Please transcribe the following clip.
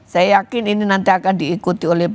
saya yakin ini nanti akan diikuti oleh